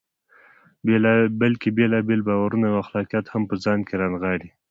بلکې بېلابېل باورونه او اخلاقیات هم په ځان کې نغاړي.